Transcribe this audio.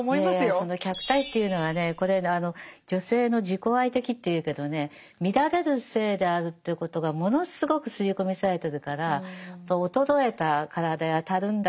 その客体っていうのがねこれ女性の自己愛的っていうけどね見られる性であるということがものすごく刷り込みされてるから衰えた体やたるんだ